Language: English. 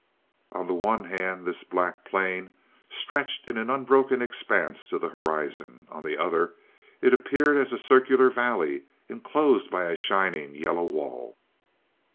On the one hand this black plain stretched in an unbroken expanse to the horizon. On the other, it appeared as a circular valley, enclosed by a shining yellow wall.